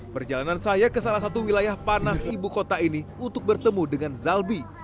perjalanan saya ke salah satu wilayah panas ibu kota ini untuk bertemu dengan zalbi